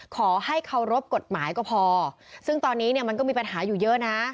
ขอให้เคารพกฎหมายก็พอซึ่งตอนนี้เนี่ยมันก็มีปัญหาอยู่เยอะนะ